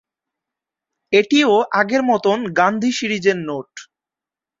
এটিও আগের মতন গান্ধী সিরিজের নোট।